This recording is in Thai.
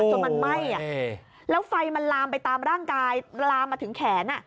จนมันไหม้แล้วไฟมันลามไปตามร่างกายลามมาถึงแขน